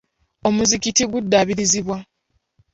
Omuzikiti guddaabirizibwa.